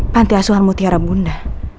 panti asuhan mutiara bunda